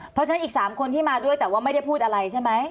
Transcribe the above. เพราะฉะนั้นอีก๓คนที่มาด้วยแต่ว่าไม่ได้พูดอะไรใช่ไหม